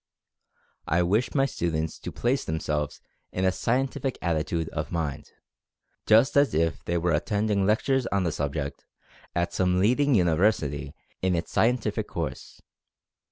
I wish my students to place themselves in a scientific attitude of mind, just as if they were attending lectures on the subject at some leading uni versity in its scientific course.